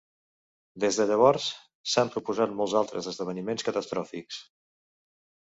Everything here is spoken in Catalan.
Des de llavors, s'han proposat molts altres esdeveniments catastròfics.